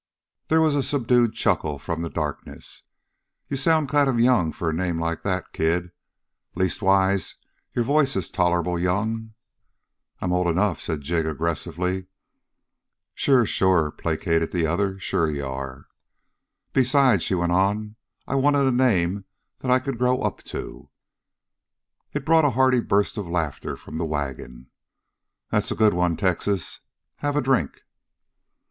There was a subdued chuckle from the darkness. "You sound kind of young for a name like that, kid. Leastwise, your voice is tolerable young." "I'm old enough," said Jig aggressively. "Sure, sure," placated the other. "Sure you are." "Besides," she went on, "I wanted a name that I could grow up to." It brought a hearty burst of laughter from the wagon. "That's a good one, Texas. Have a drink?"